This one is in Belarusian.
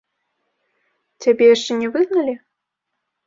Цябе яшчэ не выгналі?